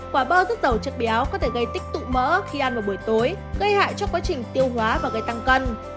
quả bơ rất giàu chất béo có thể gây tích tụ mỡ khi ăn vào buổi tối gây hại cho quá trình tiêu hóa và gây tăng cân